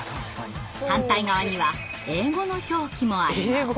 反対側には英語の表記もあります。